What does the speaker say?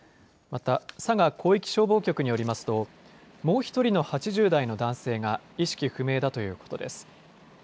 また佐賀広域消防局によりますともう１人の８０代の男性が意識不明だということです。